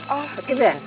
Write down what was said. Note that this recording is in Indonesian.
oh gitu ya